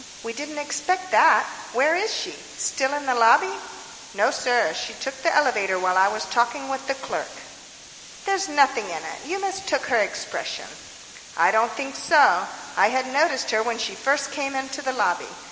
We didn't expect that. Where is she? Still in the lobby?" "No, sir. She took the elevator while I was talking with the clerk." "There's nothing in it. You mistook her expression." "I don't think so. I had noticed her when she first came into the lobby.